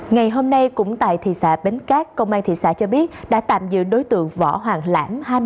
ngày hôm nay cũng tại thị xã bến cát công an thị xã cho biết đã tạm giữ đối tượng võ hoàng lãm